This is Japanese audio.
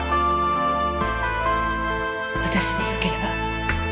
私でよければ。